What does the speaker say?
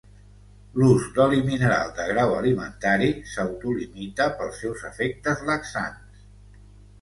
L'ús d'oli mineral de grau alimentari s'auto limita pels seus efectes laxants.